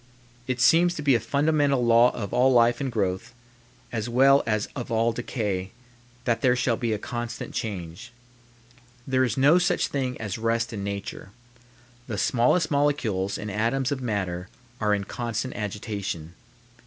It seems to be a fundamental law of all life and growth, as well as of all decay, that there shall be a constant change. There is no such thing as rest in nature. The smallest molecules and atoms of matter are in constant agitation.